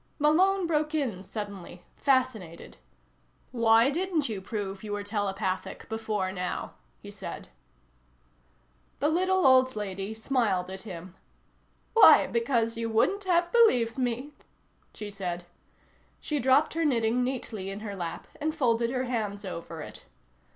Malone broke in suddenly, fascinated. "Why didn't you prove you were telepathic before now?" he said. The little old lady smiled at him. "Why, because you wouldn't have believed me," she said. She dropped her knitting neatly in her lap and folded her hands over it.